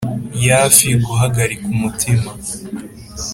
yafi guhagarika umutima.